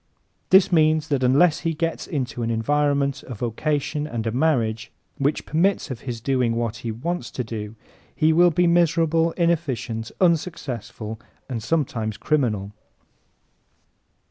This means that unless he gets into an environment, a vocation and a marriage which permits of his doing what he wants to do he will be miserable, inefficient, unsuccessful and sometimes criminal.